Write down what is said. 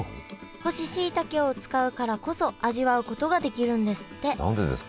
干ししいたけを使うからこそ味わうことができるんですって何でですか？